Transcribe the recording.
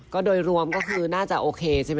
ก็โดยรวมก็คือน่าจะโอเคใช่ไหม